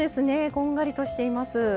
こんがりとしています。